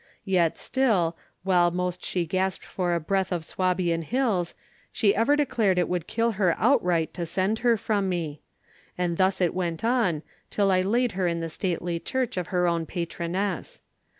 Yet still, while most she gasped for a breath of Swabian hills, she ever declared it would kill her outright to send her from me. And thus it went on till I laid her in the stately church of her own patroness.